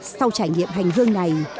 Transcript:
sau trải nghiệm hành hương này